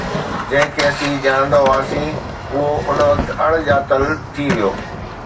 جنهن کي اسين ڄاڻندا هئاسين، اهو ان وقت اڻڄاتل ٿي ويو